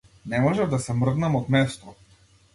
Не можев да се мрднам од место.